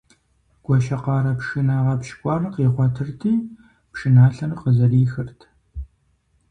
Гуащэкъарэ пшынэ гъэпщкӀуар къигъуэтырти, пшыналъэр къызэрихырт.